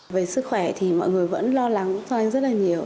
về sức khỏe thì mọi người vẫn lo lắng rất là nhiều